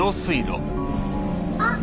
あっ！